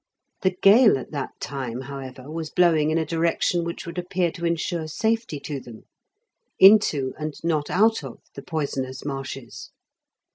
The gale at that time, however, was blowing in a direction which would appear to ensure safety to them; into, and not out of, the poisonous marshes.